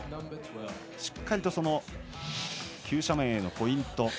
しっかりと、急斜面へのポイント